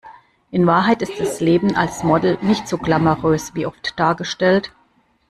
In Wahrheit ist das Leben als Model nicht so glamourös wie oft dargestellt.